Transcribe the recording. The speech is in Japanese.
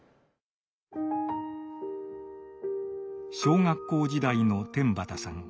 小学校時代の天畠さん。